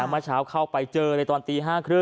เมื่อเช้าเข้าไปเจอเลยตอนตี๕๓๐